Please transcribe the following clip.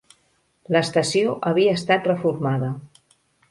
L'estació havia estat reformada.